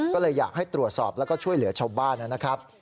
ก็เลยอยากให้ตรวจสอบแล้วก็ช่วยเหลือชาวบ้านนะครับ